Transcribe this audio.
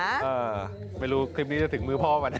เออไม่รู้คลิปนี้จะถึงมือพ่อหรือเปล่า